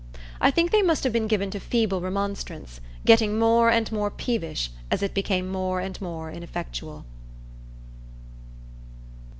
I think they must have been given to feeble remonstrance, getting more and more peevish as it became more and more ineffectual.